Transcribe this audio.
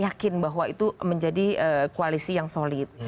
yakin bahwa itu menjadi koalisi yang solid